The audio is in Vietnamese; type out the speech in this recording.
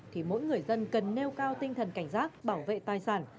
thì mỗi người dân cần nêu cao tinh thần cảnh giác bảo vệ tài sản